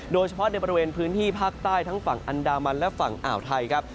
โดยเฉพาะในบริเวณพื้นที่ภาคใต้ทั้งฝั่งอันดามันและฝั่งอ่าวไทยครับ